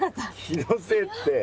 気のせいって。